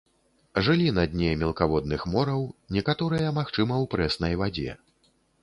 Жылі на дне мелкаводных мораў, некаторыя, магчыма, у прэснай вадзе.